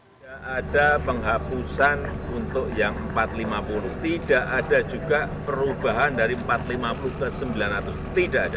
tidak ada penghapusan untuk yang empat ratus lima puluh tidak ada juga perubahan dari empat ratus lima puluh ke sembilan ratus tidak ada